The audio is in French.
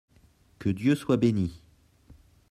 Que Dieu soit bénit !